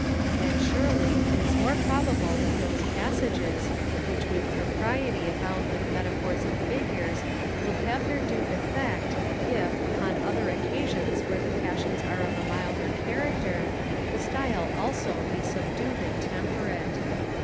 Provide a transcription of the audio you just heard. And, surely, it is more probable that those passages, which with propriety abound with metaphors and figures, will have their due effect, if, upon other occasions where the passions are of a milder character, the style also be subdued and temperate.